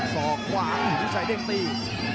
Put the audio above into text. สองขวานิตย์ชัยเร่งตี